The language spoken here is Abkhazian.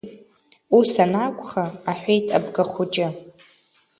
Ус анакәха, — аҳәеит Абгахәыҷы!